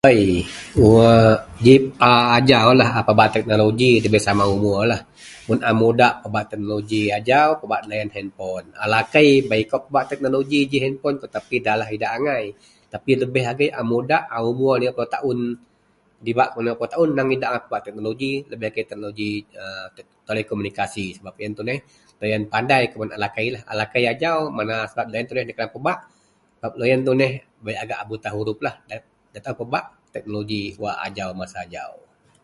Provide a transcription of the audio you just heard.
Bei wak ajaulah a pebak teknoloji dabei sama umor lah mun a mudak pebak teknoloji ajau pebak loyen hanpon a lakei bei kawak pebak teknoloji ji hanpon da idak angai lebeh agei a umor dibak kuman umor lima puloh taon idak angai pebak teknoloji lebeh agei teknoloji telekomunikasi sebab iyen tuneh loyen pandai kuman a lakei da taao pebak sebab loyen tuneh bei a buta huruf lah da taao pebak wak teknoloji wak ajau masa ajau.